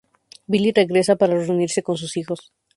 Billy regresa para reunirse con sus hijos.